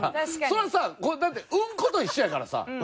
そりゃさだってうんこと一緒やからさ。